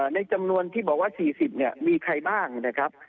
ในจำนวนที่บอกว่า๔๐เนี่ยมีใครบ้างนะครับ